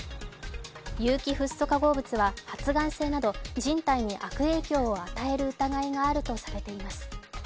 有機フッ素化合物は発がん性など人体に悪影響を与えるおそれがあるとされています。